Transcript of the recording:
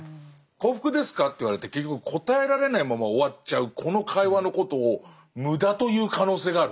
「幸福ですか？」って言われて結局答えられないまま終わっちゃうこの会話のことを無駄という可能性がある。